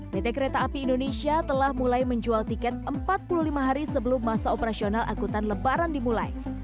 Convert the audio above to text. pt kereta api indonesia telah mulai menjual tiket empat puluh lima hari sebelum masa operasional angkutan lebaran dimulai